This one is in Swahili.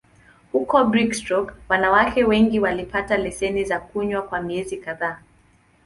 Huko Brigstock, wanawake wengine walipata leseni za kunywa kwa miezi kadhaa.